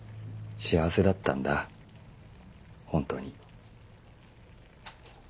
幸せだったんだ本当に。